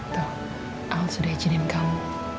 tuh al sudah izinin kamu